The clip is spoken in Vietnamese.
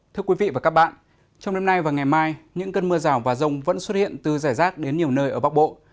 thưa quý vị và các bạn trong đêm nay và ngày mai những cơn mưa rào và rông vẫn xuất hiện từ giải rác đến nhiều nơi ở bắc bộ